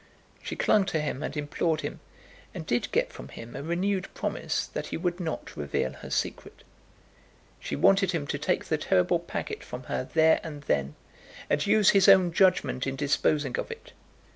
She clung to him and implored him, and did get from him a renewed promise that he would not reveal her secret. She wanted him to take the terrible packet from her there and then, and use his own judgment in disposing of it.